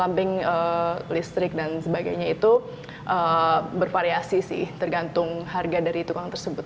samping listrik dan sebagainya itu bervariasi sih tergantung harga dari tukang tersebut